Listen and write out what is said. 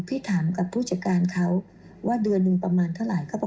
พี่ถามกับผู้จัดการเขาว่าเดือนหนึ่งประมาณเท่าไหร่เขาบอก